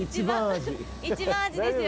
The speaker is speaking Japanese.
一番アジですよ